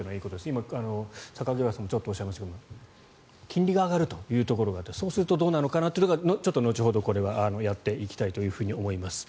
今、榊原さんもちょっとおっしゃいましたが金利が上がるというところがあってそうするとどうなるのかなというところはちょっと後ほどこれはやっていきたいと思います。